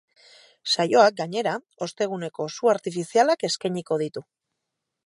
Saioak, gainera, osteguneko su artifizialak eskainiko ditu.